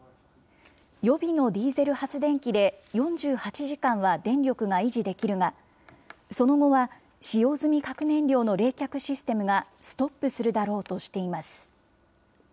予備のディーゼル発電機で４８時間は電力が維持できるが、その後は使用済み核燃料の冷却システムがストップするだろうとしています。